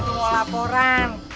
aku mau laporan